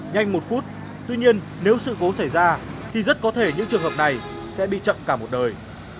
nhanh một phút tuy nhiên nếu sự cố xảy ra thì rất có thể những trường hợp này sẽ bị chậm cả một đời